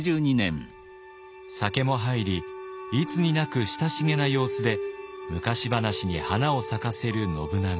酒も入りいつになく親しげな様子で昔話に花を咲かせる信長。